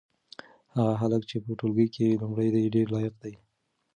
هغه هلک چې په ټولګي کې لومړی دی ډېر لایق دی.